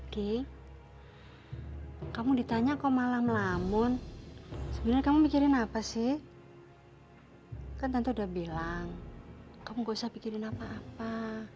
ki kamu ditanya kok malam lamun sebenarnya kamu mikirin apa sih kan tentu udah bilang kamu gak usah pikirin apa apa